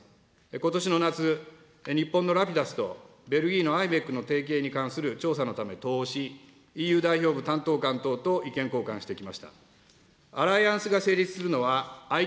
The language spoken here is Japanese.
ことしの夏、日本のＲａｐｉｄｕｓとベルギーのｉｍｅｃの提携に関する調査のため、渡欧し、ＥＵ代表部担当官と意見交換してきました。